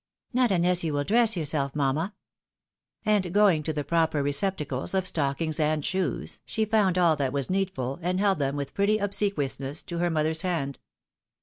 " Not unless you will dress yourself, mamma." And going to the proper receptacles of stockings and shoes, she found all 874 THE WIDOW MAEEIED. that was needful and held them with pretty obsequiousness to her mother's hand.